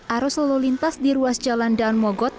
arus lalu lintas di ruas jalan daun mogot